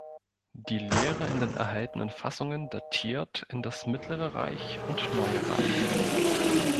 Die Lehre in den erhaltenen Fassungen datiert in das Mittlere Reich und Neue Reich.